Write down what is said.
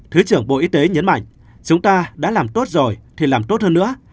thứ trưởng bộ y tế nhấn mạnh chúng ta đã làm tốt rồi thì làm tốt hơn nữa